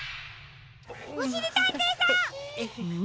おしりたんていさん！